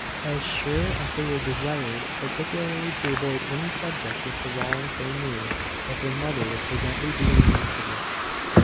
As sure as they were desired particularly to avoid any subject with the Rowlands, they knew that their mother would presently be in the midst of it.